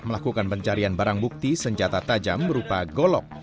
melakukan pencarian barang bukti senjata tajam berupa golok